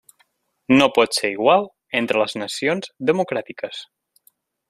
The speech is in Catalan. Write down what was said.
No pot ser igual entre les nacions democràtiques.